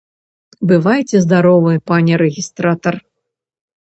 Бывайце здаровы, пане рэгістратар!